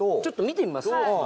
ちょっと見てみます？